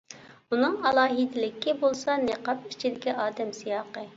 ئۇنىڭ ئالاھىدىلىكى بولسا نىقاب ئىچىدىكى ئادەم سىياقى.